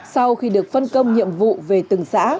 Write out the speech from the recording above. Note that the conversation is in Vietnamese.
sau khi được phân công nhiệm vụ về từng xã